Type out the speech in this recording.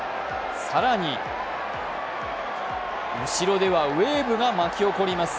更に後ろではウエーブが巻き起こります。